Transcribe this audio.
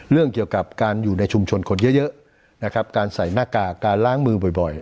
เรื่องเกี่ยวกับการอยู่ในชุมชนคนเยอะนะครับการใส่หน้ากากการล้างมือบ่อย